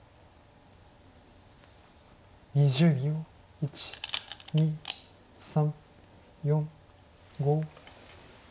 １２３４５。